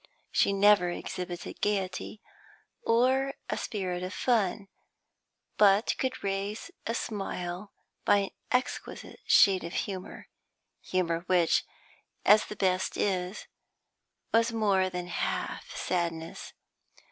She never exhibited gaiety, or a spirit of fun, but could raise a smile by an exquisite shade of humour humour which, as the best is, was more than half sadness.